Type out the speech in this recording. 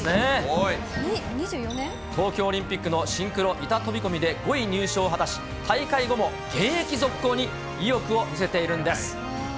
東京オリンピックのシンクロ板飛び込みで５位入賞を果たし、大会後も現役続行に意欲を見せているんです。